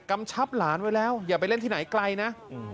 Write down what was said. ชับหลานไว้แล้วอย่าไปเล่นที่ไหนไกลนะ